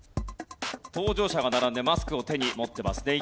搭乗者が並んでマスクを手に持ってます。